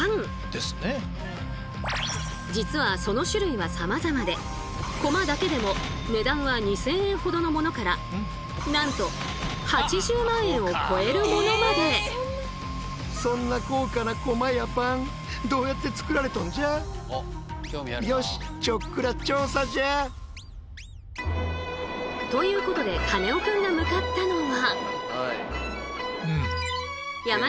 実はその種類はさまざまで駒だけでも値段は２，０００円ほどのものからなんと８０万円を超えるものまで！ということでカネオくんが向かったのは。